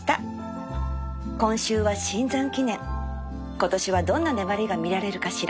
今年はどんな粘りが見られるかしら